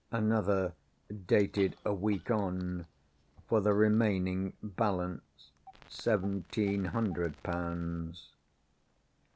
Another, dated a week on, for the remaining balance seventeen hundred pounds.